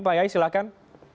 pak yai silakan